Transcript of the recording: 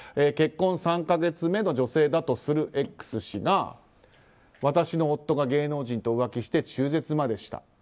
結婚３か月目の女性だとするＸ氏が私の夫が芸能人と浮気して中絶までした。